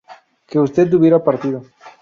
que usted hubiera partido